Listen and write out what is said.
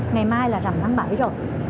ngày mai là rằm tháng bảy rồi